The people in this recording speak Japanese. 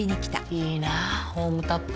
いいなホームタップ。